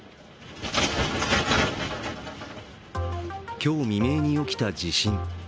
今日未明に起きた地震。